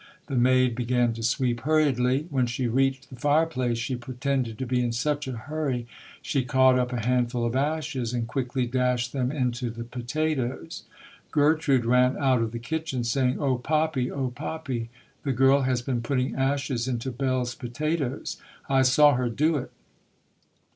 The maid began to sweep hurriedly. When she reached the fireplace, she pretended to be in such a hurry, she caught up a handful of ashes and quickly dashed them into the potatoes. Gertrude ran out of the kitchen, saying, "Oh, Poppee ! oh, Poppee ! the girl has been putting ashes into Bell's potatoes ! I saw her do it!